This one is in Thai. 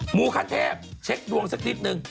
หมูขั้นเทพเช็คดวงสักนิดนึง